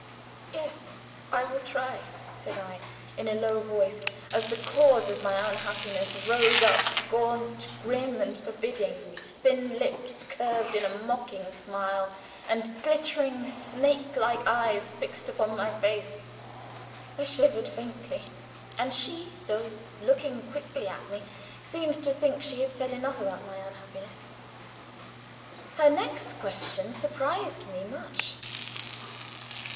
"Yes I will try," said I, in a low voice, as the cause of my unhappiness rose up, gaunt, grim and forbidding, with thin lips curved in a mocking smile, and glittering, snake like eyes fixed upon my face. I shivered faintly; and she, though looking quickly at me, seemed to think she had said enough about my unhappiness. Her next question surprised me much.